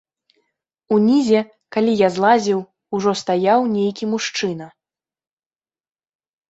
Унізе, калі я злазіў, ужо стаяў нейкі мужчына.